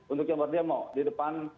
untuk yang berdemo di depan